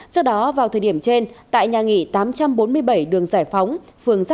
trước đó vào thời điểm trên tại nhà nghỉ tám trăm bốn mươi bảy đường giải phóng phường